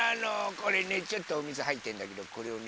これねちょっとおみずはいってんだけどこれをね